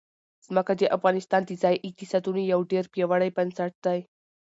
ځمکه د افغانستان د ځایي اقتصادونو یو ډېر پیاوړی بنسټ دی.